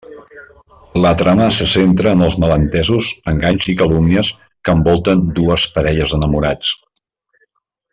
La trama se centra en els malentesos, enganys i calúmnies que envolten dues parelles d'enamorats.